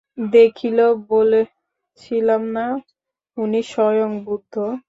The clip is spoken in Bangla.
দেখলি, বলেছিলাম না উনি স্বয়ং বুদ্ধ!